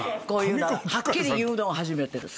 はっきり言うのは初めてです。